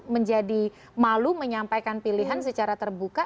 menjadi malu menyampaikan pilihan secara terbuka